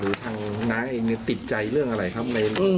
ทางน้าเองติดใจเรื่องอะไรครับ